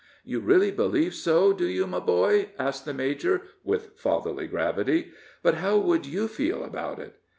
"You really believe so, do you, my boy?" asked the major, with fatherly gravity. "But how would you feel about it?"